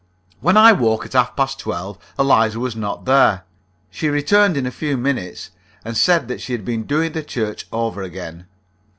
When I woke, at half past twelve, Eliza was not there. She returned in a few minutes, and said that she had been doing the church over again.